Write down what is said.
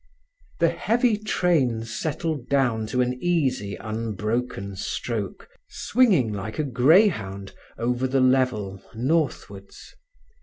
The heavy train settled down to an easy, unbroken stroke, swinging like a greyhound over the level northwards.